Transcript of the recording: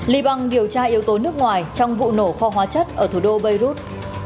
lý bằng điều tra yếu tố nước ngoài trong vụ nổ kho hóa chất ở thủ đô beirut